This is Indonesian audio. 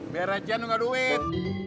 biar aja nunggu duit